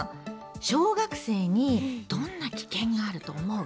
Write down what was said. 小学生にどんな危険があると思う？